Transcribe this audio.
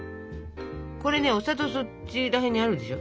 これねお砂糖そっちら辺にあるでしょ？